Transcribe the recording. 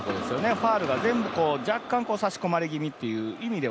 ファウルが全部、若干差し込まれ気味っていうか。